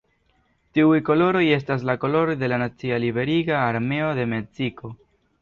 Tiuj koloroj estas la koloroj de la nacia liberiga armeo de Meksiko.